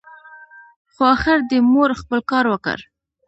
خو اخر دي مور خپل کار وکړ !